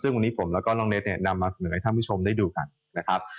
ซึ่งวันนี้ผมแล้วก็น้องเนสเนี่ยนำมาเสนอให้ท่านผู้ชมได้ดูกันนะครับ